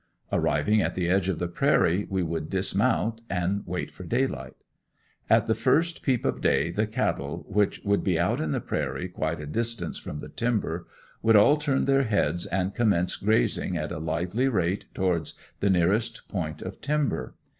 Arriving at the edge of the prairie we would dismount and wait for daylight. At the first peep of day the cattle, which would be out in the prairie, quite a distance from the timber, would all turn their heads and commence grazing at a lively rate towards the nearest point of timber.